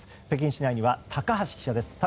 北京市内には高橋記者です。